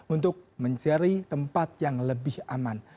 untuk mencari tempat yang lebih aman